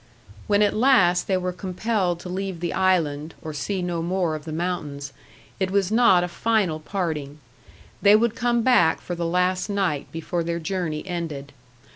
When at last they were compelled to leave the island, or see no more of the mountains, it was not a final parting. They would come back for the last night before their journey ended.